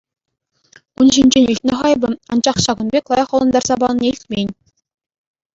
Ун ҫинчен илтнӗ-ха эпӗ Анчах ҫакӑн пек лайӑх ӑнлантарса панине илтмен.